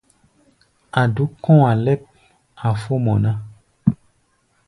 A̧ dúk kɔ̧́-a̧ lɛ́p, a̧ fó mɔ ná.